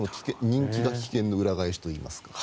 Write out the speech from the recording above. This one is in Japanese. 人気が危険の裏返しといいますか。